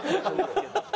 ハハハハ！